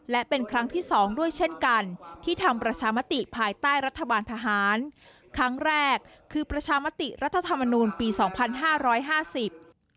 และเป็นครั้งที่สองด้วยเช่นกันที่ทำประชามติภายใต้รัฐบาลทหารครั้งแรกคือประชามติรัฐธรรมนูลปีสองพันห้าร้อยห้าสิบ